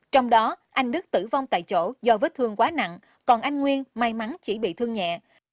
trong đó anh đức tử vong tại chỗ do vết thương quá nặng còn anh nguyên may mắn chỉ bị thương nhẹ